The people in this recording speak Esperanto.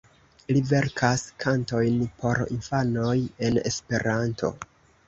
Li verkas kantojn por infanoj en Esperanto.